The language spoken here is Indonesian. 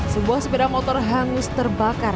sebuah sepeda motor hangus terbakar